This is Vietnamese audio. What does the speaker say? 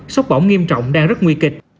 sốc bỏng nghiêm trọng đang rất nguy kịch